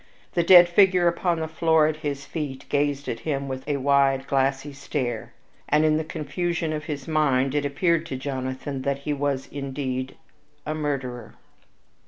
The dead figure upon the floor at his feet gazed at him with a wide, glassy stare, and in the confusion of his mind it appeared to Jonathan that he was, indeed, a murderer.